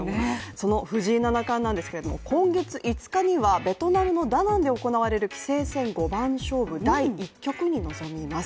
その藤井七冠なんですけども、今月５日にはベトナムのダナンで行われる棋聖戦五番勝負第１局に臨みます。